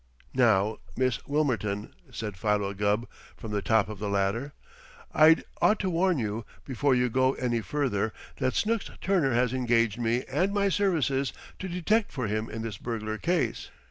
"Now, Miss Wilmerton," said Philo Gubb, from the top of the ladder, "I'd ought to warn you, before you go any farther, that Snooks Turner has engaged me and my services to detect for him in this burglar case.